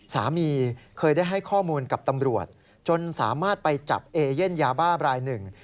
สามีเคยได้ให้ข้อมูลกับตำรวจจนสามารถไปจับเอเย่นยาบ้ารายหนึ่ง